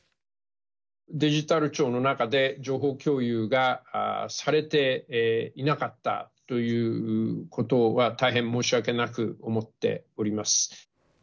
デジタル庁の中で、情報共有がされていなかったということは、大変申し訳なく思っております。